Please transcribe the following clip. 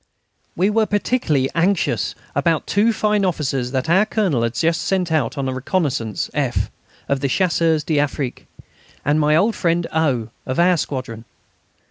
We were particularly anxious about two fine officers that our Colonel had just sent out that night on a reconnaissance F., of the Chasseurs d'Afrique, and my old friend O., of our squadron.